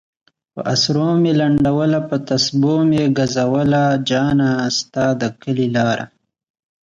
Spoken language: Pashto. پہ اسرو میی لنڈولہ پہ تسپو میی گزولہ جانہ! ستا د کلی لارہ